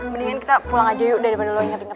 mendingan kita pulang aja yuk daripada lo inget inget